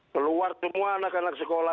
keluar semua anak anak sekolah